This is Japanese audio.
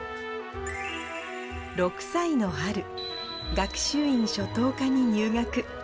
６歳の春、学習院初等科に入学。